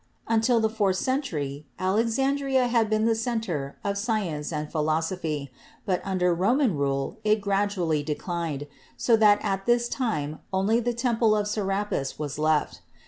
Until the fourth century Alexandria had been the center of science and philosophy, but under Roman rule it gradu ally declined, so that at this time only the Temple of Sera pis was left.